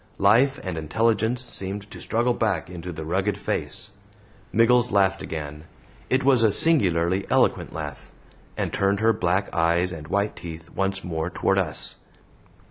Life and intelligence seemed to struggle back into the rugged face. Miggles laughed again it was a singularly eloquent laugh and turned her black eyes and white teeth once more toward us.